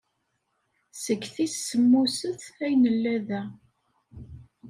Seg tis semmuset ay nella da.